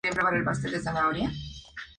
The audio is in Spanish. Su repertorio abarcó de Racine a Jean Giraudoux.